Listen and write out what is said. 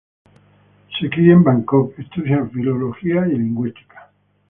Se cría en Bangkok; estudia filología y lingüística.